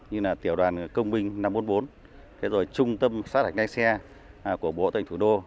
như tiểu đoàn công binh năm trăm bốn mươi bốn trung tâm phát hạch ngay xe của bộ tư lệnh thủ đô